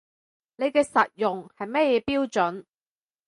你嘅實用係乜嘢標準